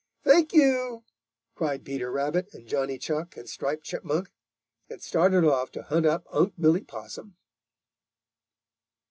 "Thank you!" cried Peter Rabbit and Johnny Chuck and Striped Chipmunk, and started off to hunt up Unc' Billy Possum.